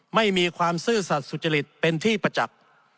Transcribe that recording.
ไม่มีความซื่อสัตว์สุจริตเป็นที่ประจักษ์